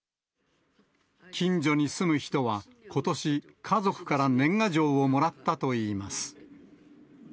近所に住む人は、ことし、家族から年賀状をもらったといいます。